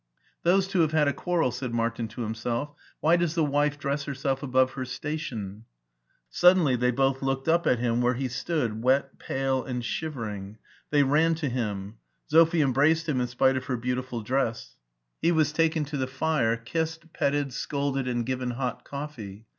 "Those two have had a quarrel," said Martin to himself; " why does the wife dress herself above her station ?" Suddenly they both looked up at him where he stood, wet, pale, and shivering. They ran to him ; Sophie embraced him in spite of her beautiftd dress.. a84 MARTIN SCHULER He was taken to the fire, kissed, petted, scolded, and given hot coffee.